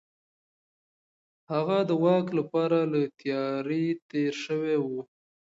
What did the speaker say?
هغه د واک لپاره له تيارۍ تېر شوی و.